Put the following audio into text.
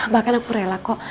bahkan aku rela kok